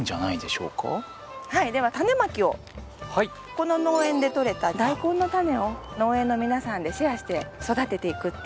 この農園で採れたダイコンの種を農園の皆さんでシェアして育てていくっていう。